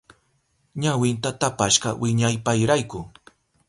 Ñawinta tapashka wiñaypayrayku.